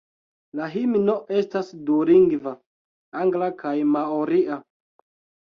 La himno estas dulingva: angla kaj maoria.